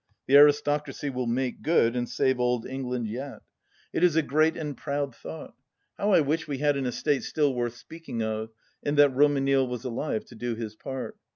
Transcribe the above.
The Aristocracy will make good, and save Old England yet. It is a great and 170 THE LAST DITCH proud thought. How I wbh we had an estate still worth speaking of, and that Romanille was alive to do his part